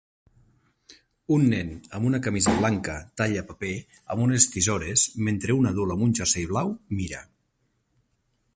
Un nen amb una camisa blanca talla paper amb unes tisores mentre un adult amb un jersei blau mira